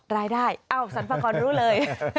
รายได้เอาสัมภาคอนรู้เลย